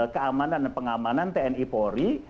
keamanan dan pengamanan tni polri